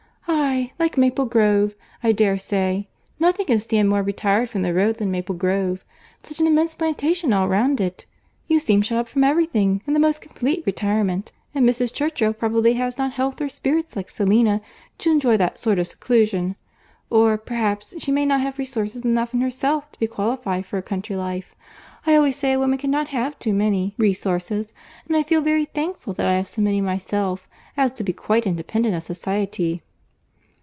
"Aye—like Maple Grove, I dare say. Nothing can stand more retired from the road than Maple Grove. Such an immense plantation all round it! You seem shut out from every thing—in the most complete retirement.—And Mrs. Churchill probably has not health or spirits like Selina to enjoy that sort of seclusion. Or, perhaps she may not have resources enough in herself to be qualified for a country life. I always say a woman cannot have too many resources—and I feel very thankful that I have so many myself as to be quite independent of society."